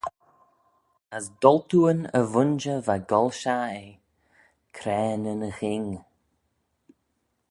As doltooan y vooinjer va goll shaghey eh, craa nyn ghing.